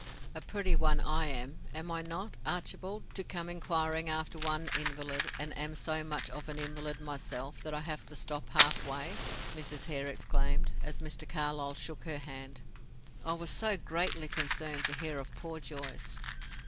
"A pretty one, I am, am I not, Archibald, to come inquiring after one invalid, and am so much of an invalid myself that I have to stop half way?" Mrs. Hare exclaimed, as Mr. Carlyle shook her hand. "I was so greatly concerned to hear of poor Joyce."